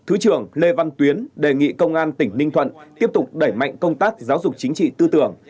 thứ trưởng lê văn tuyến đề nghị công an tỉnh ninh thuận tiếp tục đẩy mạnh công tác giáo dục chính trị tư tưởng